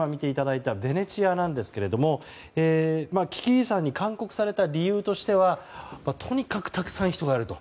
今、ベネチアなんですが危機遺産に勧告された理由としてはとにかくたくさん人が来ると。